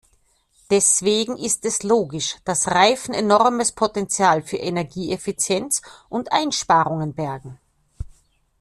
Deswegen ist es logisch, dass Reifen enormes Potenzial für Energieeffizienz und -einsparungen bergen.